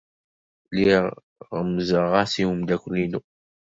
Lliɣ ɣemmzeɣ-as i umeddakel-inu.